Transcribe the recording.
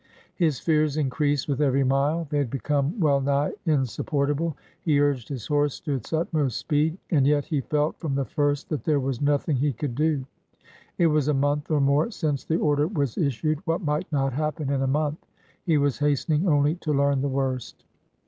His fears increased with every mile; they had become well nigh insupportable ; he urged his horse to its utmost speed. And yet he felt from the first that there was no thing he could do! It was a month or more since the order was issued. What might not happen in a month! He was hastening only to learn the worst.